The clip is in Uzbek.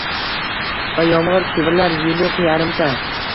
Va yomg‘ir shivirlar yuluq-yarimta: